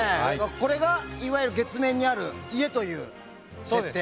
これがいわゆる月面にある家という設定。